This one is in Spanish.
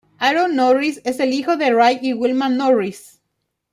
Aaron Norris es el hijo de Ray y Wilma Norris.